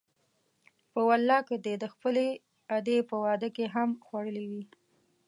په والله که دې د خپلې ادې په واده کې هم خوړلي وي.